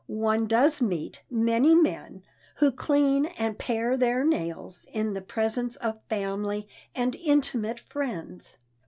one does meet many men who clean and pare their nails in the presence of family and intimate friends.